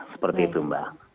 seperti itu mbak